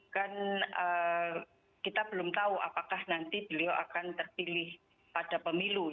kan kita belum tahu apakah nanti beliau akan terpilih pada pemilu